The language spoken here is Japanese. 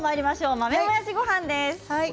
豆もやしごはんです。